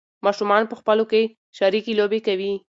ماشومان په خپلو کې شریکې لوبې کوي.